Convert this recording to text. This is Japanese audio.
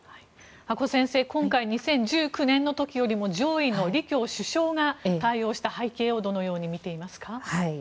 阿古先生今回２０１９年の時よりも上位の李強首相が対応した背景をどのように見ていますか？